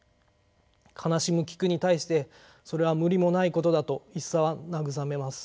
悲しむ菊に対してそれは無理もないことだと一茶は慰めます。